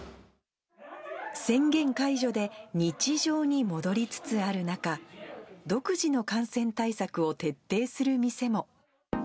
宣言解除で日常に戻りつつある中、独自の感染対策を徹底する店も。